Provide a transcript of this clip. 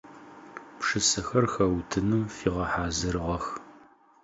Пшысэхэр хэутыным фигъэхьазырыгъэх.